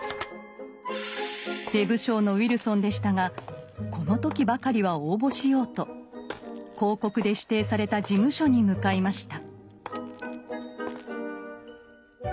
出不精のウィルソンでしたがこの時ばかりは応募しようと広告で指定された事務所に向かいました。